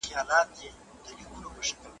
مګر، پرته له هیڅ ډول مبالغې `